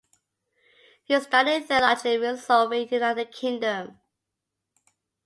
He studied theology and philosophy in the United Kingdom.